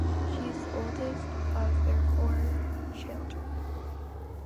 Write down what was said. She is the oldest of their four children.